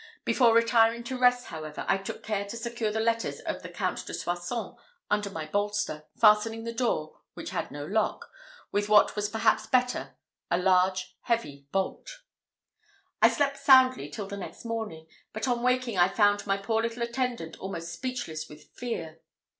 Before retiring to rest, however, I took care to secure the letters to the Count de Soissons under my bolster, fastening the door, which had no lock, with what was perhaps better, a large heavy bolt. I slept soundly till the next morning, but on waking I found my poor little attendant almost speechless with fear.